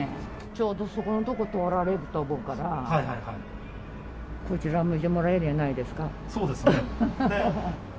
ちょうどそこの所を通られると思うから、こちらを向いてもらそうですね。